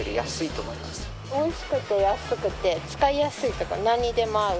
おいしくて安くて使いやすいというかなんにでも合う。